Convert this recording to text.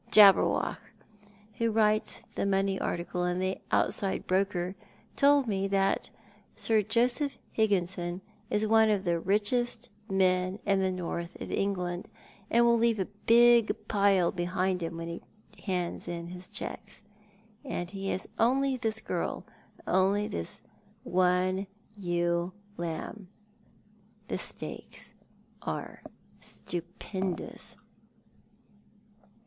.Tabberwoch, who writes the money article in the Outside Broker, told me that Sir Josepli Higginson is one of the richest men in the North of England, and will leave a big pile behind him when he hands in his checks. And he has only this girl— only this one ewe lamb. The stakes are stupendous."